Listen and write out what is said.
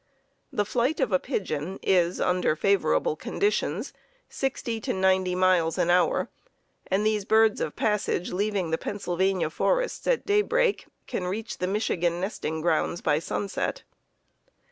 The flight of a pigeon is, under favorable conditions, sixty to ninety miles an hour, and these birds of passage leaving the Pennsylvania forests at daybreak can reach the Michigan nesting grounds by sunset.